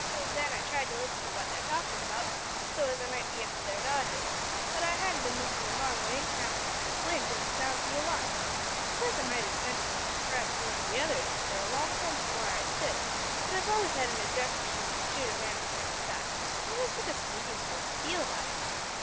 Then I tried to listen what their talk was about, so as I might be up to their dodges; but I hadn't bin listenin' long when in tramps the Flint an' sounds the alarm. Of course I might have sent him an p'r'aps one o' the others to their long home from where I stood; but I've always had an objection to shoot a man behind his back. It has such a sneakin' sort o' feel about it!